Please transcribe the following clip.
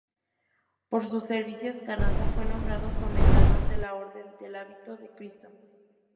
Por sus servicios, Carranza fue nombrado comendador de la Orden del hábito de Cristo.